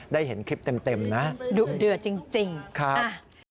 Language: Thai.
ได้เห็นคลิปเต็มนะดุเดือดจริงครับ